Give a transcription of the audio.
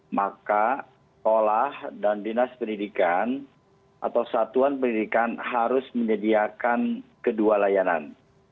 maka sekolah dan dinas pendidikan atau satuan pendidikan harus menyediakan kedua layanan